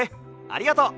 ありがとう！